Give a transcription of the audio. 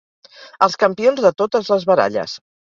Els campions de totes les baralles.